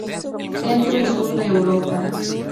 Centro y sur de Europa.